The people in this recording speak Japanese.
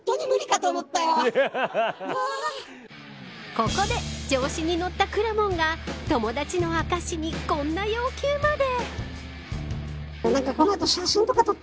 ここで調子に乗ったくらもんが友達の証に、こんな要求まで。